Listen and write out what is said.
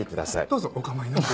どうぞお構いなく。